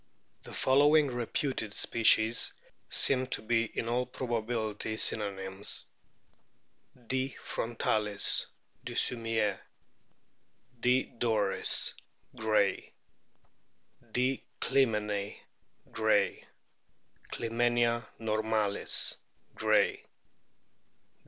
The following reputed species seem to be in all probability synonyms : D. frontalis, Dussumier ; D. dor is, Gray ; D. clymene, Gray ; Clymenia normalis, Gray.